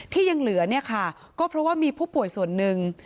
ที่ยังเหลือก็เพราะว่ามีผู้ป่วยส่วนนึง